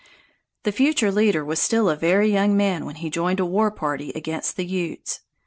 The future leader was still a very young man when he joined a war party against the Utes.